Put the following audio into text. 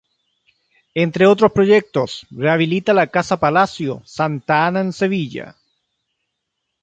Entre otros proyectos, rehabilita la Casa-Palacio Santa Ana en Sevilla.